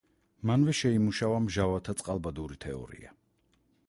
მანვე შეიმუშავა მჟავათა წყალბადური თეორია.